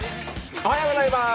おはようございます。